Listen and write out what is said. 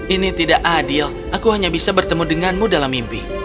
ini tidak adil aku hanya bisa bertemu denganmu dalam mimpi